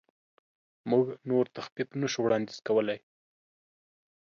موږ نور تخفیف نشو وړاندیز کولی.